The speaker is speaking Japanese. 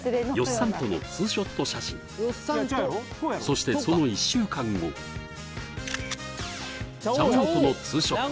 さんとのツーショット写真そしてその１週間後チャ王とのツーショット